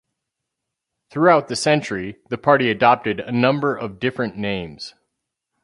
Throughout the century, the Party adopted a number of different names.